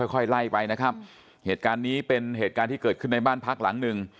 ค่อยไล่ไปนะครับเหตุการณ์นี้เป็นเหตุการณ์ที่เกิดขึ้นในบ้านพักหลังหนึ่ง